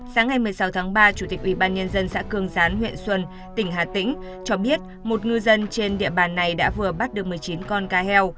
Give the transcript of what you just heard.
sáng ngày một mươi sáu tháng ba chủ tịch ubnd xã cương gián huyện xuân tỉnh hà tĩnh cho biết một ngư dân trên địa bàn này đã vừa bắt được một mươi chín con cá heo